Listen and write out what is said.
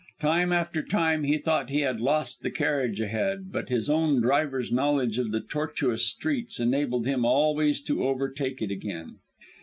Time after time he thought he had lost the carriage ahead, but his own driver's knowledge of the tortuous streets enabled him always to overtake it again.